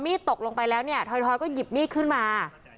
พอมีดตกลงไปแล้วเนี่ยทอยทอยก็หยิบมีดขึ้นมา